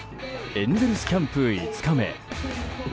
エンゼルスキャンプ５日目。